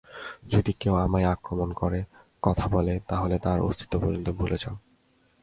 যদি কেউ আমায় আক্রমণ করে কথা বলে, তাহলে তার অস্তিত্ব পর্যন্ত ভুলে যাও।